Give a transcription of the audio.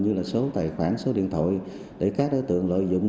như là số tài khoản số điện thoại để các đối tượng lợi dụng